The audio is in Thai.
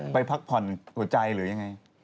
พักผ่อนหัวใจหรือยังไง